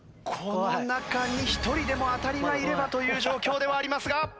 この中に１人でも当たりがいればという状況ではありますが。